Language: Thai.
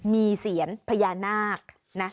มีเสียญพญานาคนะ